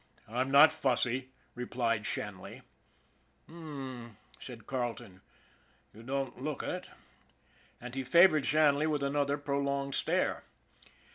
I'm not fussy," replied Chanley. " H'm !" said Carleton. " You don't look it." And he favored Shanley with another prolonged stare.